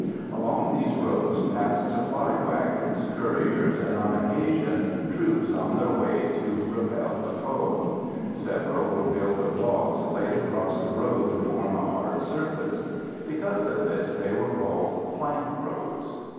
Along these roads passed supply wagons, couriers, and, on occasion, troops on their way to repel the foe. Several were built of logs laid across the road to form a hard surface. Because of this they were called "plank roads."